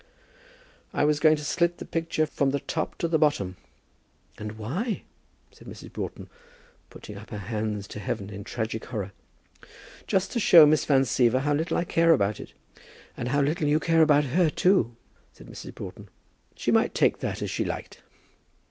"I was going to slit the picture from the top to the bottom." "And why?" said Mrs. Broughton, putting up her hands to heaven in tragic horror. "Just to show Miss Van Siever how little I care about it." "And how little you care about her, too," said Mrs. Broughton. "She might take that as she liked."